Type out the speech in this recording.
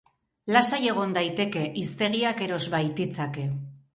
Lasai egon daiteke, hiztegiak eros baititzake.